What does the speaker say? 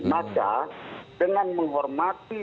maka dengan menghormati